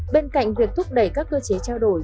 bên cạnh việc thúc đẩy các cơ chế trao đổi